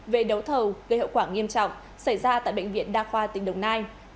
về đấu thầu gây hậu quả nghiêm trọng xảy ra tại bệnh viện đa khoa tỉnh đồng nai